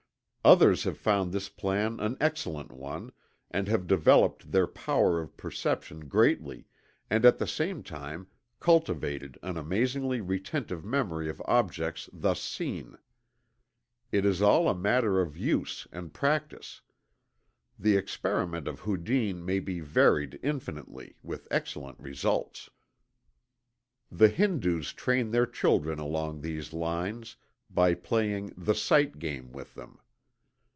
Others have found this plan an excellent one, and have developed their power of perception greatly, and at the same time cultivated an amazingly retentive memory of objects thus seen. It is all a matter of use and practice. The experiment of Houdin may be varied infinitely, with excellent results. The Hindus train their children along these lines, by playing the "sight game" with them.